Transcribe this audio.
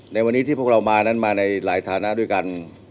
ในวันนี้ที่พวกเรามานั้นมาในหลายฐานะด้วยกัน